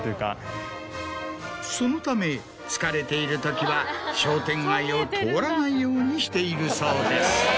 そのため疲れているときは商店街を通らないようにしているそうです。